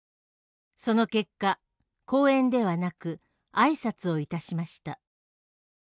その結果、講演ではなくあいさつをいたしました。